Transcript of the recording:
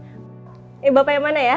eh bapak yang mana ya